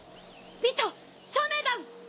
ミト照明弾！